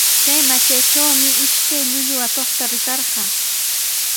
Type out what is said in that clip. Chay matraytraqmi ishkay llullu atuqta rikarqaa.